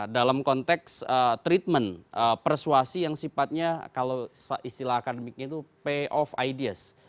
dalam konteks treatment persuasi yang sifatnya kalau istilah akademiknya itu pay of ideas